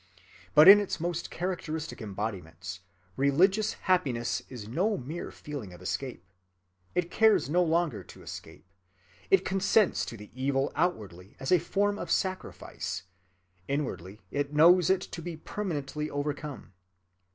But in its most characteristic embodiments, religious happiness is no mere feeling of escape. It cares no longer to escape. It consents to the evil outwardly as a form of sacrifice—inwardly it knows it to be permanently overcome.